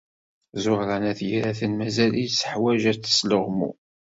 Ẓuhṛa n At Yiraten mazal-itt teḥwaj ad tesleɣmu.